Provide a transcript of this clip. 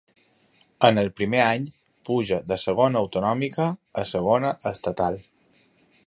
En el primer any puja de Segona Autonòmica a Segona Estatal.